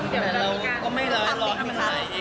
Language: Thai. แต่เราก็ไม่ร้อยร้อยให้มันหายไปเองค่ะ